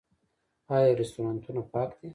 آیا رستورانتونه پاک دي؟